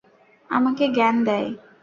আমাকে জ্ঞান দেয়!